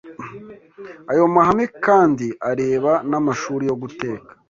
Ayo mahame kandi areba n’amashuri yo guteka